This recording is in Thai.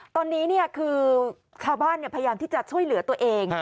ตอนนี้คือชาวบ้านพยายามที่จะช่วยเหลือตัวเอง